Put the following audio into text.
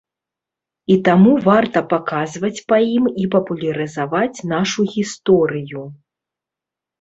І таму варта паказваць па ім і папулярызаваць нашу гісторыю.